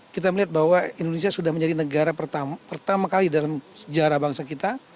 kita melihat bahwa indonesia sudah menjadi negara pertama kali dalam sejarah bangsa kita